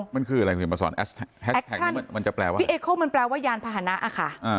มันคืออะไรมันเป็นแปลว่าแอคชั่นพี่เอโค้มันแปลว่ายานพาหนะอะค่ะ